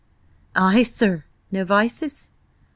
"Ay, sir. No vices?"